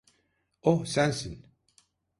Oh, sensin.